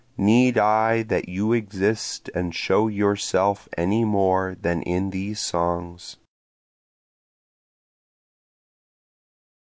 Need I that you exist and show yourself any more than in these songs.